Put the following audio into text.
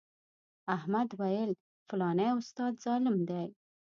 احمد ویل فلانی استاد ظالم دی.